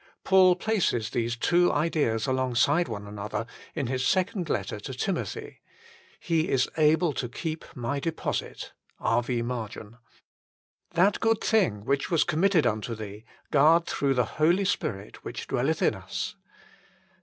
Paul places these two ideas along side one another in his second letter to Timothy :" He is able to keep my deposit " (K.V. margin) ;" That good thing which was committed unto thee, guard through the Holy Spirit which dwelleth in us."